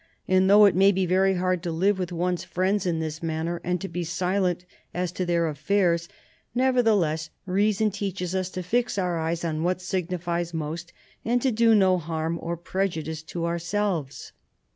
And though it may be very hard to live with one's friends in this manner and to be silent as to their affairs, nevertheless reason teaches us to fix our eyes on what signifies most, and to do no harm or prejudice to ourselves."